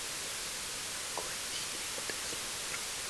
Такое насилие потрясло мир.